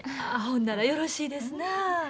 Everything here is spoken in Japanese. ほんならよろしいですなあ。